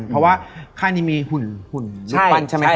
เพราะว่าไข้นี้มีหุ่นหุ่นลูกปั้นใช่ไหมครับ